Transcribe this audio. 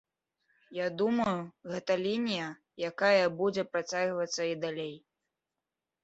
Я думаю, гэта тая лінія, якая будзе працягвацца і далей.